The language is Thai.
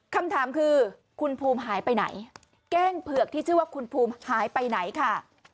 คำถามคือคุณภูมิหายไปไหนเก้งเผือกที่ชื่อว่าคุณภูมิหายไปไหนค่ะ